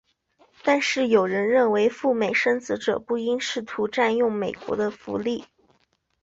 但是有人认为赴美生子者不应试图占用美国的福利。